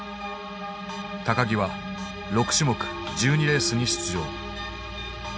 木は６種目１２レースに出場。